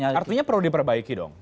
artinya perlu diperbaiki dong